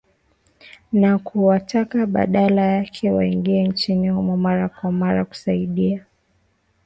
na kuwataka badala yake waingie nchini humo mara kwa mara kusaidia